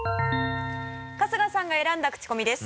春日さんが選んだクチコミです。